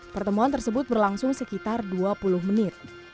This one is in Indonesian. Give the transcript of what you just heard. pertemuan tersebut berlangsung sekitar dua puluh menit